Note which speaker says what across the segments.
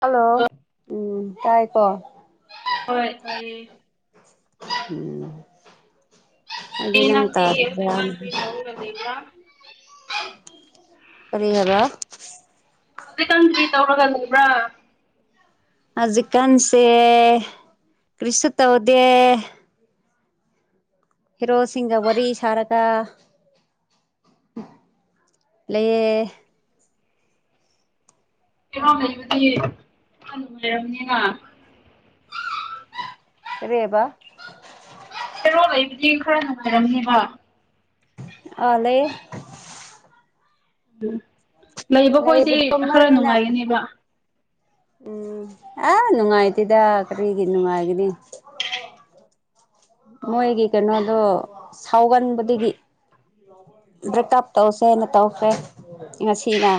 Speaker 1: hello ꯎꯝ ꯇꯥꯏꯀꯣ
Speaker 2: ꯍꯣꯏ ꯐꯩꯌꯦ
Speaker 1: ꯎꯝ ꯑꯗꯨ
Speaker 2: ꯑꯦ
Speaker 1: ꯂꯪ
Speaker 2: ꯅꯪꯗꯤ
Speaker 1: ꯇꯧꯔ
Speaker 2: ꯍꯧꯖꯤꯛꯀꯥꯟ ꯀ꯭ꯔꯤ ꯇꯧꯔꯒ ꯂꯩꯕ꯭ꯔꯥ
Speaker 1: ꯀꯔꯤ ꯍꯥꯏꯂ
Speaker 2: ꯍꯧꯖꯤꯛꯀꯪꯗ꯭ꯔꯤ ꯇꯧꯔꯒ ꯂꯩꯕ꯭ꯔꯥ
Speaker 1: ꯍꯧꯖꯤꯛꯀꯥꯟꯁꯦ ꯀ꯭ꯔꯤꯁꯨ ꯇꯧꯗꯦ ꯍꯤꯔꯣꯁꯤꯡꯒ ꯋꯥꯔꯤꯔꯤ ꯁꯔꯒꯥ ꯂꯑꯦ
Speaker 2: ꯏꯔꯥꯎ ꯂꯩꯕꯗꯤ ꯅꯨꯡ ꯂꯩꯔꯝꯅꯤꯅ
Speaker 1: ꯔꯦꯕꯥ
Speaker 2: ꯍꯦꯔꯣ ꯑꯩꯕꯨꯗꯤ ꯈꯔ ꯅꯨꯡꯉꯥꯏꯔꯝꯅꯦꯕ
Speaker 1: ꯑꯂꯦ
Speaker 2: ꯎꯝ ꯂꯩꯕ ꯈꯣꯏꯗꯤ
Speaker 1: ꯂꯩꯕꯗꯣ
Speaker 2: ꯈꯔ
Speaker 1: ꯃꯣꯏꯅ
Speaker 2: ꯅꯨꯡꯉꯥꯏꯒꯅꯦꯕ
Speaker 1: ꯎꯝ ꯑ ꯅꯨꯡꯉꯥꯏꯇꯦꯗ ꯀꯔꯤꯒꯤ ꯅꯨꯡꯉꯥꯏꯒꯅꯤ ꯃꯣꯏꯒꯤ ꯀꯩꯅꯣꯗꯣ ꯁꯥꯎꯒꯟꯕꯗꯒꯤ ꯕ꯭ꯔꯦꯛꯀꯞ ꯇꯧꯁꯦꯅ ꯇꯧꯈ꯭ꯔꯦ ꯉꯁꯤꯅ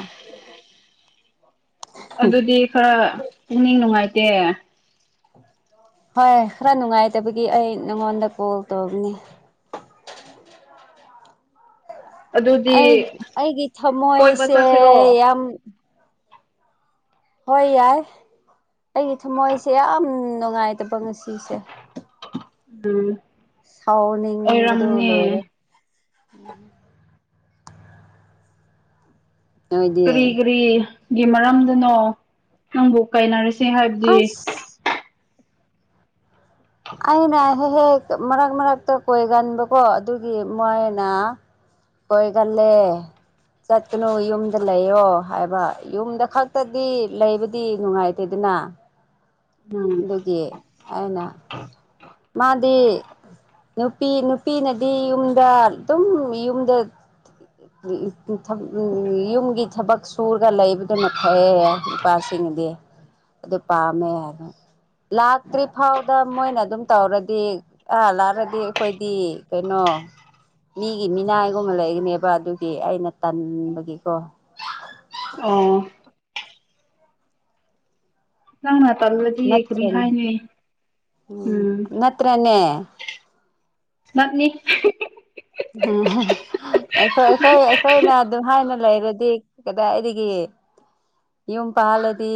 Speaker 2: ꯑꯗꯨꯗꯤ ꯈꯔ ꯄꯨꯛꯅꯤꯡ ꯅꯨꯡꯉꯥꯏꯇꯦ
Speaker 1: ꯍꯣꯏ ꯈꯔ ꯅꯨꯡꯉꯥꯏꯇꯕꯒꯤ ꯑꯩ ꯅꯉꯣꯟꯗ ꯀꯣꯜ ꯇꯧꯕꯅꯦ
Speaker 2: ꯑꯗꯨꯗꯤ
Speaker 1: ꯑꯩ ꯑꯩꯒꯤ
Speaker 2: ꯀꯣꯏꯕ
Speaker 1: ꯊꯝꯃꯣꯏꯁꯦ
Speaker 2: ꯆꯠꯁꯤꯔꯣ
Speaker 1: ꯌꯥꯝ ꯍꯣꯏ ꯌꯥꯔ ꯑꯩꯒꯤ ꯊꯃꯣꯏꯁꯦ ꯌꯥꯝ ꯅꯨꯡꯉꯥꯏꯇꯕ ꯉꯁꯤꯁꯦ
Speaker 2: ꯎꯝ
Speaker 1: ꯁꯥꯎꯅꯤꯡꯕꯗꯣ ꯂꯣꯏꯔꯦ ꯅꯣꯏꯗꯤ
Speaker 2: ꯀꯔꯤ ꯀꯔꯤꯒꯤ ꯃꯔꯝꯗꯅꯣ ꯅꯪꯕꯨ ꯀꯥꯏꯅꯔꯤꯁꯤ ꯁꯤ ꯍꯥꯏꯕꯗꯤ
Speaker 1: ꯑꯁ ꯑꯩꯅ ꯍꯦꯛ ꯍꯦꯛ ꯃꯔꯛ ꯃꯔꯛꯇ ꯀꯣꯏꯒꯟꯕꯀꯣ ꯑꯗꯨꯒꯤ ꯃꯣꯏꯅ ꯀꯣꯏꯒꯦ ꯆꯠꯀꯅꯨ ꯌꯨꯝꯗ ꯂꯩꯔꯣ ꯍꯥꯏꯕ ꯌꯨꯝꯗ ꯈꯛꯇꯗꯤ ꯂꯩꯕꯗꯤ ꯅꯨꯡꯉꯥꯏꯇꯦ ꯑꯗꯨꯅ [unintelligible]
Speaker 2: ꯎꯝ
Speaker 1: ꯑꯗꯨꯒꯤ ꯑꯩꯅ ꯃꯥꯗꯤ ꯅꯨꯄꯤ ꯅꯨꯄꯤꯅꯗꯤ ꯌꯨꯝꯗ ꯑꯗꯨꯝ ꯌꯨꯝꯗ ꯌꯨꯝꯒꯤ ꯊꯕꯛ ꯁꯨꯔꯒ ꯂꯩꯕꯗꯨꯅ ꯐꯩꯑ ꯅꯨꯄꯥꯁꯤꯡ ꯝꯃꯦ ꯂꯇ꯭ꯔꯤ ꯐꯥꯎꯗ ꯃꯣꯏ ꯑꯗꯨꯝ ꯇꯧꯔꯗꯤ ꯑꯥ ꯂꯥꯛꯔꯗꯤ ꯑꯩꯈꯣꯏꯗꯤ ꯀꯩꯅꯣ ꯃꯤꯒꯤ ꯃꯤꯅꯥꯏꯒꯨꯝꯕ ꯂꯩꯒꯅꯦꯕ ꯑꯗꯨꯒꯤ ꯑꯩꯅ ꯇꯟꯕꯒꯤꯀꯣ
Speaker 2: ꯑꯣ ꯅꯪ ꯃꯥ ꯇꯜꯂꯗꯤ ꯑꯩ ꯀꯔꯤ
Speaker 1: ꯅꯠꯇ꯭ꯔꯅꯦ
Speaker 2: ꯍꯥꯏꯅ ꯎꯝ
Speaker 1: ꯅꯠꯇ꯭ꯔꯅꯦ
Speaker 2: ꯃꯞꯅꯤ
Speaker 1: ꯎꯝ ꯑꯩꯈꯣꯏ ꯑꯩꯈꯣꯏ ꯑꯩꯈꯣꯏꯅ ꯑꯗꯨꯝ ꯍꯥꯏꯅ ꯂꯩꯔꯗꯤ ꯀꯩꯗꯥ ꯑꯩꯒꯦ ꯌꯨꯝ ꯄꯥꯜꯂꯗꯤ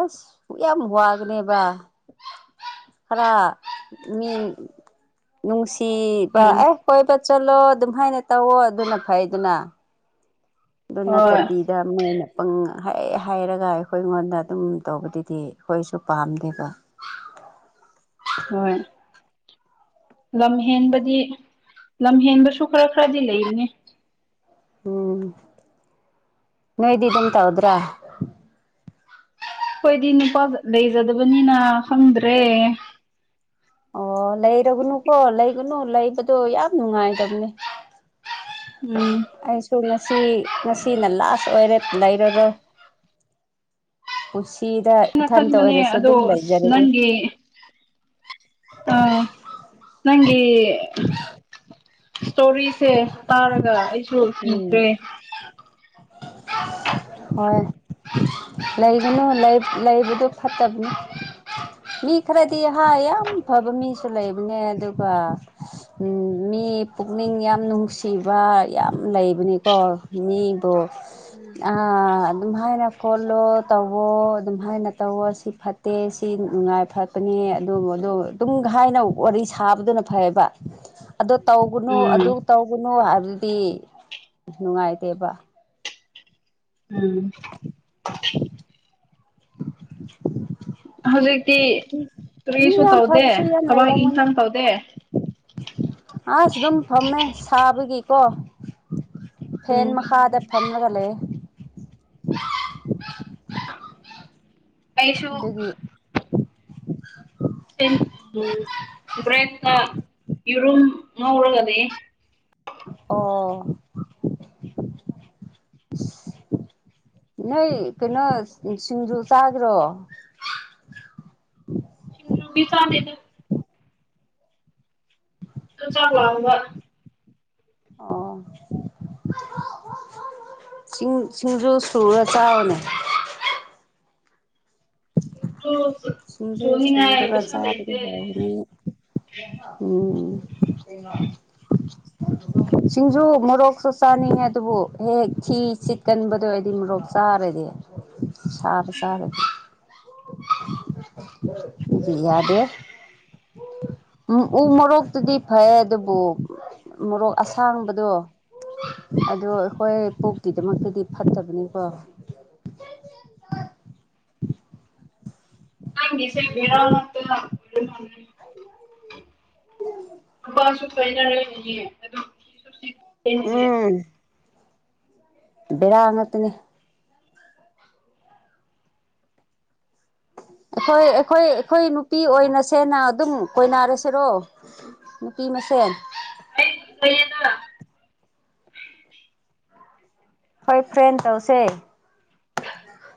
Speaker 1: ꯑꯁ ꯌꯥꯝ ꯋꯥꯒꯅꯦꯕ ꯈꯔ ꯃꯤ ꯅꯨꯡꯁꯤ ꯁꯤꯤꯕ
Speaker 2: ꯎꯝ
Speaker 1: ꯑꯦ ꯀꯣꯏꯕ ꯆꯠꯂꯣ ꯑꯗꯨꯝ ꯍꯥꯏꯥꯏꯅ ꯇꯧꯋꯣ ꯑꯗꯨꯅ ꯐꯩꯗꯨꯅ ꯑꯗꯨꯅ
Speaker 2: ꯍꯣꯏ
Speaker 1: ꯇꯕꯤꯗꯅ ꯄꯪ ꯍ ꯍꯥꯏꯔꯒ ꯑꯩꯈꯣꯏ ꯑꯩꯉꯣꯟꯗ ꯑꯗꯨꯝ ꯇꯧꯕꯗꯨꯗꯤ ꯑꯩꯈꯣꯏꯁꯨ ꯄꯥꯝꯗꯦꯕ ꯑ
Speaker 2: ꯍꯣꯏ ꯂꯝ ꯍꯦꯟꯕꯗꯤ ꯂꯝ ꯍꯦꯟꯕꯁꯨ ꯈꯔ ꯈꯔꯗꯤ ꯂꯩꯅꯦ
Speaker 1: ꯎꯝ ꯅꯣꯏꯣꯏꯗꯗꯇ ꯍꯗ꯭ꯔꯥ
Speaker 2: ꯍꯣꯏꯗꯤ ꯅꯨꯄꯥ ꯂꯩꯖꯗꯕꯅꯤꯅ ꯈꯪꯗ꯭ꯔꯦ
Speaker 1: ꯑꯣ ꯂꯩꯔꯒꯅꯨꯀꯣ ꯂꯩꯒꯅꯨ ꯂꯩꯕꯗꯣ ꯌꯥꯝ ꯅꯨꯡꯉꯥꯏꯗꯕꯅꯦ [inaudible]
Speaker 2: ꯎꯝ
Speaker 1: ꯑꯩꯁꯨ ꯉꯁꯤ ꯉꯁꯤꯅ ꯂꯥꯁ ꯑꯣꯏꯔꯦ ꯂꯩꯔꯔꯣꯏ ꯄꯨꯟꯁꯤꯗ
Speaker 2: ꯑꯩꯅ
Speaker 1: ꯏꯊꯟꯇ
Speaker 2: ꯈꯟꯕꯅꯦ
Speaker 1: ꯑꯣꯏꯔꯁꯨ
Speaker 2: ꯑꯗꯣ
Speaker 1: ꯑꯗꯨꯝ
Speaker 2: ꯑꯁ
Speaker 1: ꯂꯩꯖꯔꯒꯦ
Speaker 2: ꯅꯪꯒꯤ ꯑ
Speaker 1: [unintelligible]
Speaker 2: ꯅꯪꯒꯤ ꯏꯁꯇꯣꯔꯤꯁꯦ ꯇꯥꯔꯒ ꯑꯩ
Speaker 1: ꯎꯝ
Speaker 2: ꯁꯣꯛꯈ꯭ꯔꯦ
Speaker 1: [inaudible] ꯍꯣꯏ ꯂꯩꯒꯅꯨ ꯂꯩꯕꯗꯨꯣ ꯐꯠꯇꯕꯅꯤ ꯃꯤ ꯈꯔꯗꯤ ꯍꯥ ꯌꯥꯝ ꯐꯕ ꯃꯤꯁꯨ ꯂꯩꯕꯅꯦ ꯑꯗꯨꯒ ꯎ ꯃꯤ ꯃꯤ ꯄꯨꯛꯅꯤꯡ ꯌꯥꯝ ꯅꯨꯡꯁꯤꯕ ꯌꯥꯝ ꯂꯩꯕꯅꯤꯀꯣ ꯃꯤꯕꯨ
Speaker 2: ꯎꯝ
Speaker 1: ꯑ ꯑꯗꯨꯝꯍꯥꯏꯅ ꯈꯣꯜꯂꯣ ꯇꯧꯋꯣ ꯑꯗꯨꯝꯍꯥꯏꯅ ꯇꯧꯋꯣ ꯁꯤ ꯐꯠꯇꯦ ꯁꯤ ꯅꯨꯡꯉꯥꯏ ꯐꯔꯛꯀꯅꯤ ꯑꯗꯨ ꯑꯗꯣ ꯇꯨꯡꯈꯥꯏꯅ ꯋꯥꯔꯤ ꯁꯥꯕꯗꯨꯅ ꯐꯩꯌꯦꯕ ꯑꯗꯨ ꯇꯧꯒꯨꯅꯨ ꯑꯗꯨ
Speaker 2: ꯎꯝ
Speaker 1: ꯇꯧꯒꯅꯨ ꯍꯥꯏꯕꯗꯤ ꯅꯨꯡꯉꯥꯏꯇꯦꯕ
Speaker 2: ꯎꯝ
Speaker 1: [unintelligible]
Speaker 2: ꯍꯧꯖꯤꯛꯇꯤ
Speaker 1: ꯃꯤ
Speaker 2: ꯀꯨꯔꯤꯁꯨ
Speaker 1: ꯌꯥꯝ
Speaker 2: ꯇꯧꯗꯦ
Speaker 1: ꯐꯕꯁꯨ ꯌꯥꯝ
Speaker 2: ꯊꯕꯛ
Speaker 1: ꯂꯩꯔꯝꯒꯅꯤ
Speaker 2: ꯏꯪꯈꯥꯡ ꯇꯧꯗꯦ
Speaker 1: ꯀꯣ ꯐꯦꯟ
Speaker 2: ꯎꯝ
Speaker 1: ꯃꯈꯥꯗ ꯐꯦꯟ ꯃꯈꯒ ꯂꯩꯑꯦ [inaudible]
Speaker 2: ꯑꯩꯁꯨ
Speaker 1: ꯑꯗꯨꯗꯒꯤ
Speaker 2: ꯎꯝ ꯭ꯔꯦ ꯏꯔꯨꯝ ꯉ ꯎꯔꯒꯗꯦ
Speaker 1: ꯑꯣ ꯅꯣꯏ ꯀꯩꯅꯣ ꯁꯤꯡꯖꯨ ꯆꯥꯈ꯭ꯔꯣ
Speaker 2: ꯁꯤꯁꯤꯡꯕꯤ ꯁꯥꯗꯦꯗ ꯑꯗꯨ ꯆꯪꯕ
Speaker 1: ꯑꯣ ꯆꯤꯡ ꯁꯤꯡꯖꯨ ꯁꯨꯔ ꯆꯥꯎꯥꯕꯅꯦ
Speaker 2: ꯗꯨ
Speaker 1: ꯁꯤꯖ
Speaker 2: ꯁꯨꯅꯤꯡꯉꯥꯏ
Speaker 1: ꯁꯨꯔ ꯇ
Speaker 2: ꯄꯩꯁꯥ
Speaker 1: ꯆꯥ ꯑꯗꯨꯗꯤ
Speaker 2: ꯂꯩꯇꯦ
Speaker 1: ꯍꯥꯏ ꯍꯅꯤ ꯎꯝ ꯁꯤꯡꯖꯨ ꯃꯣꯔꯣꯛꯁꯨ ꯆꯥꯅꯤꯡꯉꯦ ꯑꯗꯨꯕꯨ ꯍꯦꯛ ꯊꯤ ꯁꯤꯠꯀꯟꯕꯗꯣꯔꯗꯤ ꯃꯣꯔꯣꯛ ꯆꯥ ꯁꯔꯦꯗ ꯁꯔꯦ ꯆꯔꯦ ꯏ ꯌꯥꯗꯦ ꯎ ꯎ ꯃꯣꯔꯣꯛꯇꯨꯗꯤ ꯐꯩ ꯑꯗꯨꯕꯨ ꯃꯣꯔꯣꯛ ꯑꯁꯥꯡꯕꯗꯣ ꯑꯗꯨ ꯑꯩꯈꯣꯏ ꯄꯨꯣꯛꯇꯀꯤꯗꯃꯛꯇꯗꯤ ꯐꯠꯇꯕꯅꯤꯀꯣ [inaudible]
Speaker 2: ꯁꯦꯔꯅꯠꯇ ꯑꯣꯏꯅꯤ ꯅꯨꯄꯥꯁꯨ ꯀꯣꯏꯅ ꯂꯩꯣꯏꯌꯦꯦ ꯑꯗꯨꯝꯁꯨ
Speaker 1: ꯕꯤꯔꯥꯉꯇꯅꯦ ꯑꯩꯈꯣꯏ ꯑꯩꯈꯣꯏ ꯑꯩꯈꯣꯏ ꯅꯨꯄꯤ ꯑꯣꯏꯅꯁꯦꯅ ꯑꯗꯨꯝ ꯀꯣꯏꯅꯔꯁꯤꯔꯣ ꯅꯨꯄꯤ ꯃꯁꯦꯟ
Speaker 2: ꯑꯩ ꯂꯩꯌꯦꯅ
Speaker 1: ꯍꯣꯏ ꯐ꯭ꯔꯦꯟ ꯇꯧꯁꯦ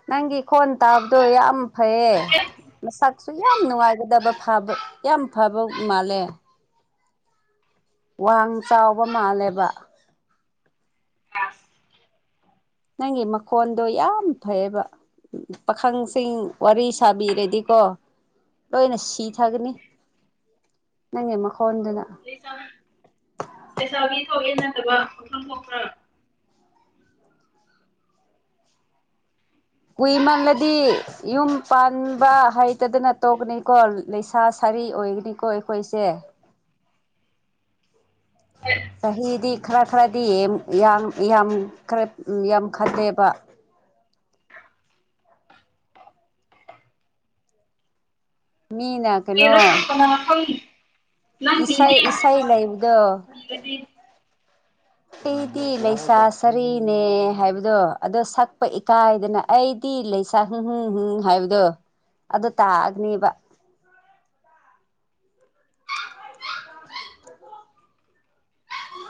Speaker 1: ꯅꯪꯒꯤ ꯈꯣꯟ ꯇꯥꯕꯗꯣ ꯌꯥꯝ ꯐꯩꯌꯦꯦ
Speaker 2: ꯍꯦꯛ
Speaker 1: ꯃꯁ ꯁꯨ ꯌꯥꯝ ꯅꯨꯡꯉꯥꯏꯒꯗꯕ ꯐꯕ ꯌꯥꯝ ꯐꯕ ꯃꯥꯜꯂꯦ ꯋꯥꯡ ꯆꯥꯎꯕ ꯃꯥꯜꯂꯦꯕ
Speaker 2: ꯑꯁ
Speaker 1: ꯅꯪꯒꯤ ꯃꯈꯣꯟꯗꯣ ꯌꯥꯝ ꯐꯩꯕ ꯎ ꯄꯥꯈꯪꯁꯤꯡ ꯋꯥꯔꯤ ꯁꯥꯕꯤꯔꯗꯤꯀꯣ ꯂꯣꯏꯅ ꯁꯤ ꯊꯥꯒꯅꯤ ꯅꯪꯉꯃꯣ ꯈꯣꯟꯗꯅ
Speaker 2: ꯅꯠꯇꯕꯈ ꯀ꯭ꯔ
Speaker 1: ꯀꯨꯏꯃꯜꯂꯗꯤ ꯌꯨꯝ ꯄꯥꯟꯕ ꯍꯩꯇꯗꯅ ꯇꯣꯛꯀꯅꯤꯀꯣ ꯂꯩꯁꯥ ꯁꯥꯏ ꯀꯔꯤ ꯑꯣꯏꯒꯅꯤꯀꯣ ꯑꯩꯈꯣꯏꯁꯦ
Speaker 2: ꯍꯣꯏ
Speaker 1: ꯆꯍꯤꯗꯤ ꯈꯔ ꯈꯔꯗꯤ ꯌꯥꯝ ꯈꯔ ꯌꯥꯝꯈꯜꯂꯦꯕ ꯃꯤꯅ
Speaker 2: ꯄꯔꯣꯁꯨ ꯀꯅꯥꯈꯣꯅꯤ
Speaker 1: ꯏꯁ ꯏꯁꯥꯏ ꯂꯩꯕꯗꯣ
Speaker 2: ꯄꯤꯔꯗꯤ
Speaker 1: ꯑꯩꯗꯤ ꯂꯩꯁꯥ ꯁꯔꯤꯅꯦ ꯍꯥꯏꯕꯗꯣ ꯑꯗꯣ ꯁꯛꯄ ꯏꯀꯥꯏꯗꯅ ꯑꯩꯗꯤ ꯂꯩꯁꯥ ꯍꯥꯏꯕꯗꯣ ꯑꯗꯨ ꯇꯥꯛꯑꯒꯅꯦꯕ [inaudible]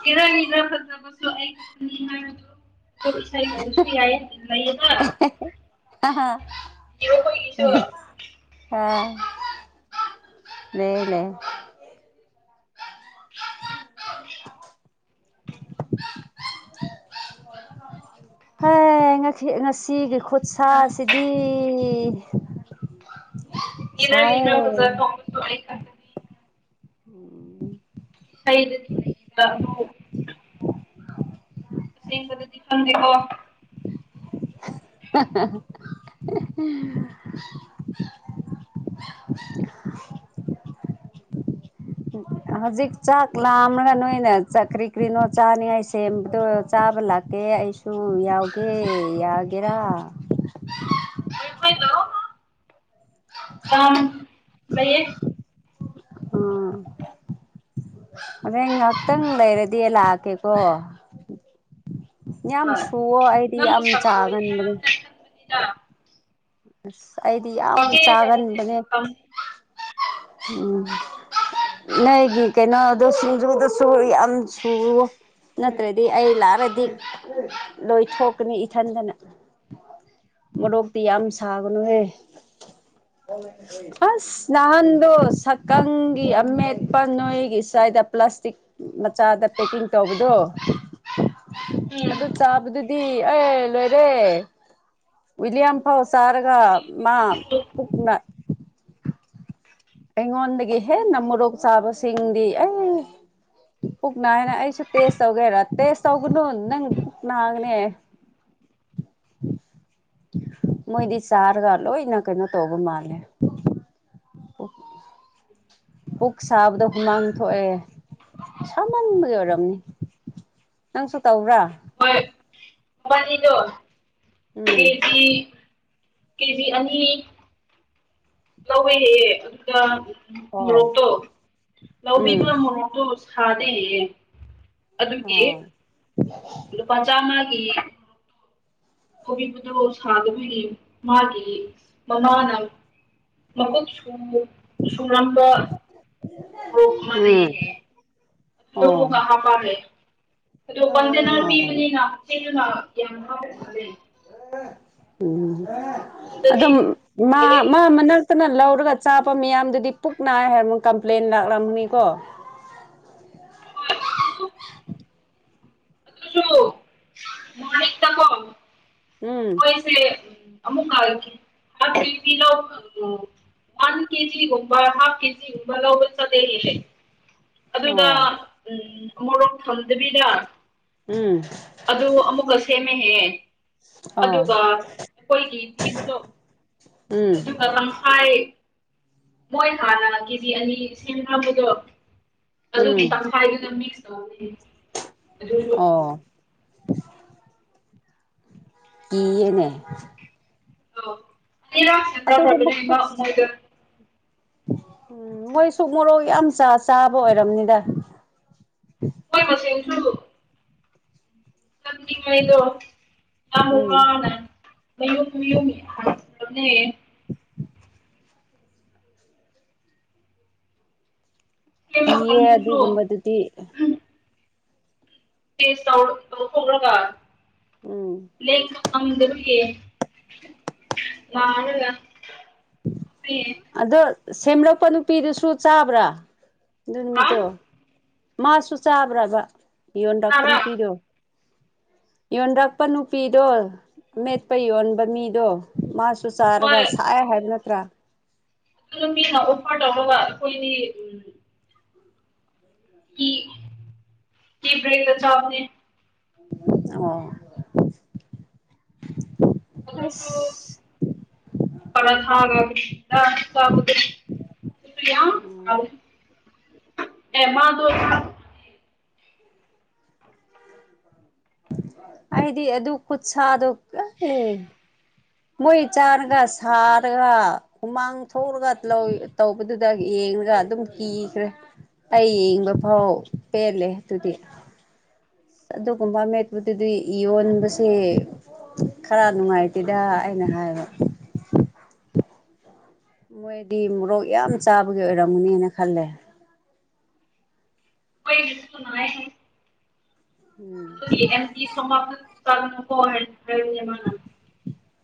Speaker 2: ꯍꯔ ꯐ ꯍꯥꯏ ꯣ ꯏꯁꯥꯥꯏ ꯀꯣꯁꯨ ꯌꯥꯏ ꯏꯟ ꯂꯩꯌꯦꯗ
Speaker 1: ꯑ ꯑ ꯂꯩꯅꯦ
Speaker 2: [inaudible]
Speaker 1: ꯍꯣꯏ ꯉꯁꯤ ꯉꯁꯤꯒꯤ ꯈꯨꯠꯁꯁꯤꯗꯤ
Speaker 2: ꯏꯔ ꯏꯂꯖꯔ ꯇ ꯆꯣ
Speaker 1: ꯎꯝ
Speaker 2: ꯏꯁꯩꯗꯗꯤ ꯂꯩꯌꯦꯕ ꯑꯗꯨ ꯑꯁ ꯀꯗꯟꯗꯀꯣ
Speaker 1: [inaudible] [inaudible] ꯎꯝ ꯍꯧꯖꯤꯛ ꯆꯥꯛ ꯂꯥꯝꯂꯒ ꯅꯣꯏꯅ ꯆ ꯀ꯭ꯔꯤ ꯀ꯭ꯔꯤꯅꯣ ꯆꯥꯅꯤꯡꯉꯥꯏ ꯁꯦꯝꯕꯗꯣ ꯆꯥꯕ ꯂꯥꯛꯀꯦ ꯑꯦꯦ ꯑꯩꯁꯨ ꯌꯥꯎꯒꯦ ꯌꯥꯒꯦꯔꯥ
Speaker 2: ꯀ ꯂꯩꯌꯦ
Speaker 1: ꯑ ꯍꯦꯟ ꯉꯥꯏꯍꯥꯛꯇꯪ ꯂꯩꯔꯗꯤ ꯂꯥꯛꯀꯦꯀꯣ ꯌꯥꯝ
Speaker 2: ꯍꯣꯏ
Speaker 1: ꯁꯨꯋꯣ ꯑꯩꯗꯤ
Speaker 2: ꯅꯪ
Speaker 1: ꯌꯥꯝ
Speaker 2: ꯀꯣ
Speaker 1: ꯆꯥꯒꯟꯕꯅꯦ
Speaker 2: ꯏꯗ
Speaker 1: ꯑꯁ ꯑꯩꯗꯤ ꯌꯥꯝ ꯆꯥꯒꯟꯕꯅꯦ ꯎꯝ ꯅꯣꯏꯒꯤ ꯀꯩꯅꯣꯗ ꯁꯤꯡꯖꯨꯗꯁꯨ ꯌꯥꯝ ꯁꯨꯔꯨ ꯅꯠꯇ꯭ꯔꯗꯤ ꯑꯩ ꯂꯥꯛꯔꯗꯤ ꯂꯣꯏꯊꯣꯛꯀꯅꯤ ꯏꯊꯟꯗꯅ ꯃꯔꯣꯔꯣꯛꯇꯤ ꯌꯥꯝ ꯁꯥꯒꯅꯨꯍꯦ ꯑꯁ ꯅꯍꯥꯟꯗꯣ ꯁꯛꯀꯪꯒꯤ ꯑꯃꯦꯠꯄ ꯅꯣꯏꯒꯤ ꯆꯥꯏ ꯏꯗ ꯄ꯭ꯂꯥꯁꯇꯤꯛ ꯃꯆꯥꯗ ꯄꯦꯛꯀꯤꯡ ꯇꯧꯕꯗꯣ
Speaker 2: ꯎꯝ
Speaker 1: ꯑꯗꯨ ꯆꯥꯕꯗꯨꯗꯤ ꯑꯦ ꯂꯣꯏꯔꯦ ꯋꯤꯂꯤꯌꯝ ꯐꯥꯎꯁ ꯇꯔꯒ ꯃꯥ ꯄꯨꯅ ꯑꯩꯉꯣꯟꯗꯒꯤ ꯍꯦꯟꯅ ꯃꯣꯔꯣꯛ ꯆꯥꯕꯁꯤꯡꯗꯤ ꯑꯩ ꯄꯨꯛ ꯅꯥ ꯍꯥꯏꯅ ꯑꯩꯁꯨ ꯇꯦꯁ ꯇꯧꯒꯦꯔ ꯇꯦꯁ ꯇꯧꯒꯅꯨ ꯅꯪ ꯄꯨꯛ ꯒꯅꯦ ꯃꯣꯏꯣꯏꯗꯤ ꯆꯔꯒ ꯂꯣ ꯏꯅꯥ ꯀꯩꯅꯣ ꯇꯧꯕ ꯃꯥꯂꯦ ꯄꯨꯛ ꯁꯥꯕꯗ ꯍꯨꯃꯥꯡ ꯊꯣꯛꯑꯦ ꯁꯥꯃꯟꯕꯒꯤ ꯑꯣꯏꯔꯝꯅꯤ ꯅꯪꯁꯨ ꯇꯧꯕ꯭ꯔꯥ
Speaker 2: ꯍꯣꯏꯗ
Speaker 1: ꯎꯝ
Speaker 2: ꯀꯦꯖꯤ ꯀꯦꯖꯤ ꯑꯅꯤ ꯂꯧꯔꯦꯍꯦꯛꯌꯦꯦ ꯑꯗꯨꯗ
Speaker 1: ꯑꯣ
Speaker 2: ꯃꯣꯔꯣꯛꯇꯣ
Speaker 1: ꯎꯝ
Speaker 2: ꯂꯧꯕꯤꯕ ꯃꯣꯔꯣꯛꯇꯣ ꯊꯥꯗꯩꯌꯦ ꯑꯗꯨꯒꯤ
Speaker 1: ꯑꯣ
Speaker 2: ꯏꯂ ꯄꯖꯝꯒꯤ ꯇꯧꯕꯤꯕꯗꯣ ꯁꯥꯗꯕꯒꯤ ꯃꯥꯒꯤ ꯃꯃꯥꯅ ꯃꯈ ꯁ ꯁꯨꯔꯝꯕ ꯔꯥ ꯅ
Speaker 1: ꯎꯝ
Speaker 2: ꯍꯥꯏ ꯑꯗꯨ
Speaker 1: ꯑꯣ
Speaker 2: ꯀꯥ ꯄꯥꯔꯦ ꯑꯗꯣ ꯄꯟꯖꯦꯅꯔ
Speaker 1: ꯑꯣ
Speaker 2: ꯄꯤꯕꯅꯤꯅ ꯆꯤꯟꯗꯨꯅ ꯌꯥꯝ ꯍꯥꯎ ꯃꯥꯥꯂꯦ
Speaker 1: ꯎꯝ ꯑꯗꯣ ꯃꯥ
Speaker 2: ꯂꯣꯏꯔꯦꯍꯦ
Speaker 1: ꯃꯥ ꯑꯃꯅ ꯐꯛꯇꯅ ꯂꯧꯔꯒ ꯆꯥꯄ ꯃꯤꯌꯥꯝꯗꯨꯗꯤ ꯄꯨꯛ ꯅꯥꯏ ꯍꯥꯏꯔꯃ ꯀꯝꯄ꯭ꯂꯦꯟ ꯂꯥꯛꯂꯝꯅꯤꯀꯣ
Speaker 2: ꯍꯣꯏ ꯑꯣꯁꯨ ꯃꯅꯤ ꯇ ꯀꯣ
Speaker 1: ꯎꯝ
Speaker 2: ꯑꯃꯨꯛ ꯍꯜꯈꯤ ꯀꯦ ꯂ ꯎ ꯋꯥꯟ ꯀꯦꯖꯤꯒꯨꯝꯕ ꯍꯥ ꯀꯦꯖꯤꯒꯨꯝꯕ ꯂꯧꯕ ꯆꯦꯦꯜꯂꯦ ꯑꯗꯨꯒ
Speaker 1: ꯑꯣ
Speaker 2: ꯎꯝ ꯃꯣꯔꯣ ꯊꯝꯗꯕꯤꯗ
Speaker 1: ꯎꯝ
Speaker 2: ꯑꯗꯨ ꯑꯃꯨꯛꯀ ꯁꯦꯝꯃꯦꯍꯦ
Speaker 1: ꯑꯣ
Speaker 2: ꯑꯗꯨꯒ ꯑꯩꯈꯣꯏꯒꯤ ꯄꯤꯕꯗꯣ
Speaker 1: ꯎꯝ
Speaker 2: ꯊꯙꯀꯥ ꯂꯥꯡꯈꯥꯏ ꯃꯣꯏ ꯍꯥꯟꯅ ꯀꯦꯖꯤ ꯑꯅꯤ ꯁꯦꯝꯈ꯭ꯔꯕꯗꯣ
Speaker 1: ꯎꯝ
Speaker 2: ꯑꯗꯨꯒꯤ ꯇꯪꯈꯥꯏꯗꯨꯅ ꯃꯤꯁ ꯇꯧ
Speaker 1: ꯑꯣ ꯀꯅꯦ
Speaker 2: ꯑ ꯑꯅꯤ ꯔ ꯁꯟꯒꯥ ꯐꯕꯅꯦꯃꯥ
Speaker 1: ꯈꯨꯠ
Speaker 2: ꯎꯍꯣꯏꯗ
Speaker 1: ꯎꯝ ꯃꯣꯏ ꯁꯨꯛ ꯃꯣꯔꯣꯛ ꯌꯥꯝ ꯆꯥꯕ ꯑꯣꯏꯔꯝꯅꯤꯗ
Speaker 2: ꯍꯣꯏ ꯃꯁꯁꯨ ꯆꯪꯂꯤꯉꯩꯗꯣ ꯌꯥꯝ
Speaker 1: ꯎꯝ
Speaker 2: ꯋꯥꯅ ꯃꯌꯨꯝ ꯃꯌꯨꯝꯉ ꯍꯥꯏ ꯦ
Speaker 1: [inaudible]
Speaker 2: ꯁꯦꯝꯕ
Speaker 1: ꯏꯑꯦ
Speaker 2: ꯀꯥꯡꯕꯨꯁꯨ
Speaker 1: ꯑꯗꯨꯒꯨꯝꯕꯗꯨꯗꯤ
Speaker 2: ꯁ ꯇ ꯐ ꯀ
Speaker 1: ꯎꯝ
Speaker 2: ꯍꯗꯔꯦ ꯃꯥꯒ
Speaker 1: ꯑꯗꯣ ꯁꯦꯝꯂꯛꯄ ꯅꯨꯄꯤꯗꯨꯁꯨ ꯆꯥꯕ꯭ꯔꯥ ꯑꯗꯨ ꯅꯨꯃꯤꯠꯇꯣ
Speaker 2: ꯀꯅꯥꯔ
Speaker 1: ꯃꯥꯁꯨ ꯆꯥꯕ꯭ꯔꯕ ꯌꯣꯟꯗꯛꯄ ꯅꯨꯄꯤꯗꯣ ꯌꯣꯟꯔꯛꯄ ꯅꯨꯄꯤꯗꯣ ꯑꯃꯦꯠꯄ ꯌꯣꯟꯕ ꯃꯤꯗꯣ ꯃꯥ ꯁꯨꯁꯔꯒ
Speaker 2: ꯍꯣꯏ
Speaker 1: ꯁꯍ
Speaker 2: ꯑꯗꯨ
Speaker 1: ꯍꯥꯏ
Speaker 2: ꯑꯗꯨ ꯃꯤꯅ ꯑꯣꯐꯔ ꯇꯧꯅꯕ ꯑꯩꯈꯣꯏꯅꯤ ꯎꯝ ꯀ ꯭ꯔꯦꯗ ꯆꯅꯦ
Speaker 1: ꯑꯣ
Speaker 2: ꯑꯈꯁꯨ
Speaker 1: ꯑꯁ
Speaker 2: ꯀꯔ ꯊꯥ ꯁꯌꯥ ꯑꯦꯃꯗꯣ
Speaker 1: ꯑꯩꯗꯤ ꯑꯗꯨ ꯈꯨꯠꯁꯗ ꯑꯦ ꯃꯣꯏ ꯆꯥꯔꯒ ꯁꯥꯔꯒ ꯍꯨꯃꯥꯡ ꯊꯣꯛꯂꯒ ꯇꯧꯕꯗꯨꯗ ꯌꯦ ꯑꯗꯨꯝ ꯀꯤꯈ꯭ꯔꯦ ꯑꯩ ꯌꯦꯡꯕ ꯐꯥꯎ ꯄꯦꯜꯂꯦ ꯑꯗꯨꯗꯤ ꯑꯗꯨꯒꯨꯝꯕ ꯃꯦꯠꯄꯗꯨꯗꯤꯣꯟꯕꯁꯦ ꯈꯔ ꯅꯨꯡꯉꯥꯏꯇꯦꯗ ꯑꯩꯅ ꯍꯥꯏꯕ ꯃꯣꯏꯗꯤ ꯃꯣꯔꯣꯛ ꯌꯥꯝ ꯆꯥꯕꯒꯤ ꯑꯣꯏꯔꯝꯒꯅꯤꯅ ꯈꯜꯂꯦ
Speaker 2: ꯑꯩꯣꯏ ꯀꯨꯅ
Speaker 1: ꯎꯝ
Speaker 2: ꯑꯗꯨꯒꯤ ꯑꯇ ꯁꯣꯅꯨꯣ ꯍꯥꯏ ꯍꯥꯏꯅꯦ ꯃꯥ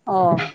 Speaker 1: ꯑ